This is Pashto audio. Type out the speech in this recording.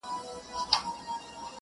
چت يم نړېږمه د عمر چي آخره ده اوس_